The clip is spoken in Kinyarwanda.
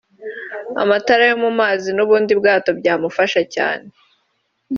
amatara yo mu mazi n’ubundi bwato byamufasha cyane